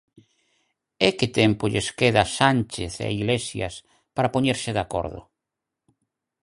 É que tempo lles queda a Sánchez e a Iglesias para poñerse de acordo.